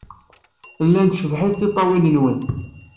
Llant cebḥent tiṭṭawin-nwen.